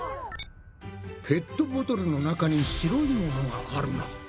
ペットボトルの中に白いものがあるな。